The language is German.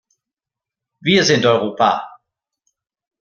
Wir sind Europa!